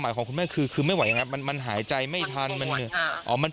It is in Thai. มีช่วงเวลาไหนที่คุณแม่อาการมันค่อนข้างจะหนักที่สุดไหมครับ